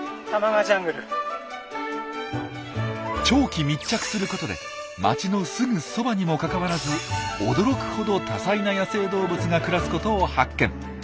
長期密着することで街のすぐそばにもかかわらず驚くほど多彩な野生動物が暮らすことを発見。